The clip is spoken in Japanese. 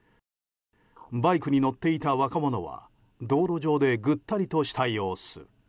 バイクに乗っていた若者は道路上でぐったりとした様子。